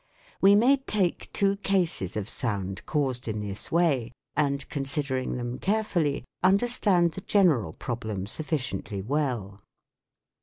We may take two cases of sound caused in this way and, considering them carefully, under stand the general problem sufficiently well.